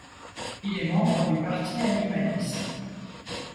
Il est membre du Parti animaliste.